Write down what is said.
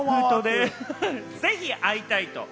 ぜひ会いたいと。